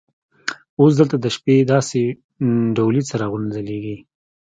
اوس دلته د شپې داسې ډولي څراغونه ځلیږي.